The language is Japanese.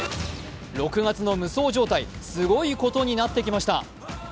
６月の無双状態、すごいことになってきました。